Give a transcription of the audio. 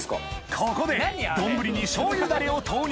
ここで丼にしょうゆダレを投入